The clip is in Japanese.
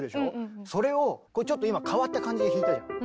それをこれちょっと今変わった感じで弾いたじゃん。